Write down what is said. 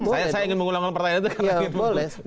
saya ingin mengulangkan pertanyaan itu karena lagi mau dikonsisten